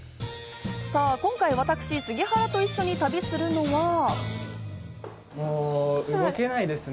今回私、杉原と一緒に旅するのは。